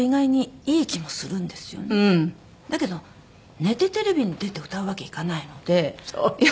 だけど寝てテレビに出て歌うわけいかないので。